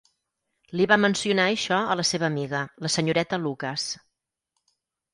Li va mencionar això a la seva amiga, la senyoreta Lucas.